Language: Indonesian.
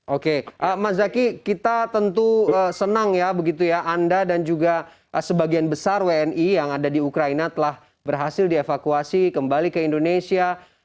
oke mas zaky kita tentu senang ya begitu ya anda dan juga sebagian besar wni yang ada di ukraina telah berhasil dievakuasi kembali ke indonesia